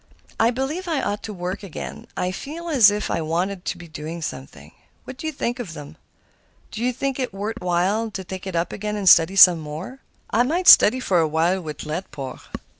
"I believe I ought to work again. I feel as if I wanted to be doing something. What do you think of them? Do you think it worth while to take it up again and study some more? I might study for a while with Laidpore."